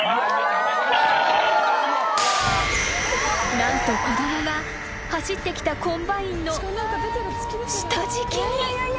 ［何と子供が走ってきたコンバインの下敷きに］